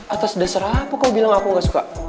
atas dasar aku kau bilang aku gak suka